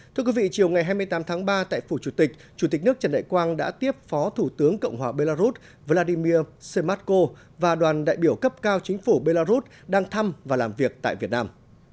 thưa quý vị chiều ngày hai mươi tám tháng ba tại phủ chủ tịch chủ tịch nước trần đại quang đã tiếp phó thủ tướng cộng hòa belarus vladimir sematko và đoàn đại biểu cấp cao chính phủ belarus đang thăm và làm việc tại việt nam